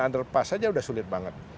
underpass saja sudah sulit banget